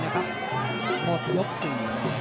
ยกที่๔